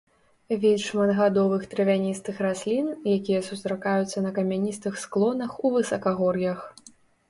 Від шматгадовых травяністых раслін, якія сустракаюцца на камяністых склонах у высакагор'ях.